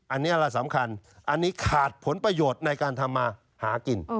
อันนี้แหละสำคัญอันนี้ขาดผลประโยชน์ในการทำมาหากิน